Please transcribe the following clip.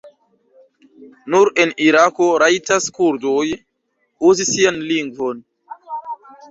Nur en Irako rajtas kurdoj uzi sian lingvon.